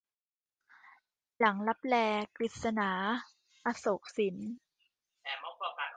หลังลับแล - กฤษณา อโศกสิน